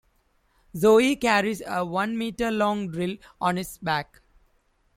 Zoe carries a one-meter long drill on its back.